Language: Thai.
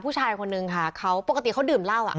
ผู้ชายคนนึงค่ะเขาปกติเขาดื่มเหล้า